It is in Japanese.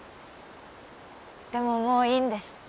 でももういいんです